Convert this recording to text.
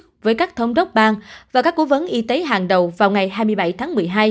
cuộc với các thống đốc bang và các cố vấn y tế hàng đầu vào ngày hai mươi bảy tháng một mươi hai